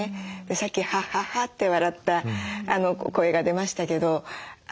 さっきハハハって笑った声が出ましたけど。